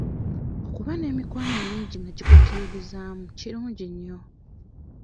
Okuba n'emikwano emingi nga gikukkiririzaamu kirungi nnyo.